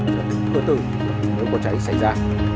và thử thử nếu có cháy xảy ra